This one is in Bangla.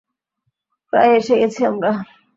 প্রায় এসে গেছি আমরা।